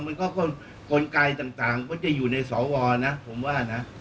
มันก็กลไกต่างก็จะอยู่ในสวนะผมว่านะ